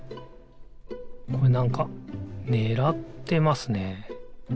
これなんかねらってますね。